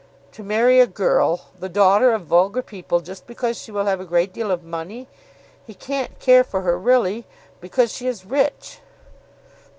"To marry a girl, the daughter of vulgar people, just because she will have a great deal of money? He can't care for her really, because she is rich."